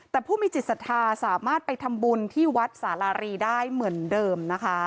แต่ผู้มีจิตศรัทธาสามารถไปทำบุญที่วัดสารารีได้เหมือนเดิมนะคะ